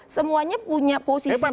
semuanya punya posisi masing masing